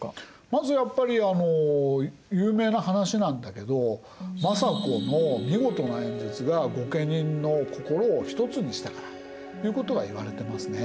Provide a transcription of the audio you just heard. まずやっぱり有名な話なんだけど政子の見事な演説が御家人の心をひとつにしたからということはいわれていますね。